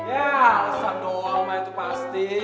ya kesan doang itu pasti